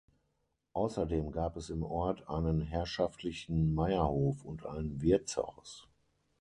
Außerdem gab es im Ort einen herrschaftlichen Meierhof und ein Wirtshaus.